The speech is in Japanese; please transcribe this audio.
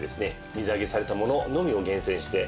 水揚げされたもののみを厳選して。